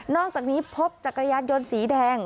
นอกจากนี้พบจากกระยะยนต์สีแดง